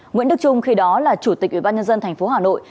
nguyễn đức trung khi đó là chủ tịch ubnd tp hà nội